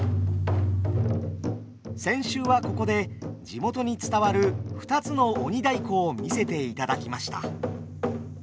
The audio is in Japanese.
先週はここで地元に伝わる２つの鬼太鼓を見せていただきました。